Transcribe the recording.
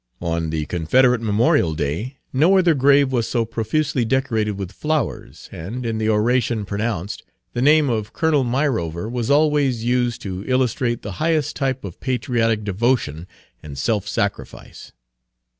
On the Confederate Memorial Day, no other grave was so profusely decorated with flowers, and, Page 271 in the oration pronounced, the name of Colonel Myrover was always used to illustrate the highest type of patriotic devotion and self sacrifice.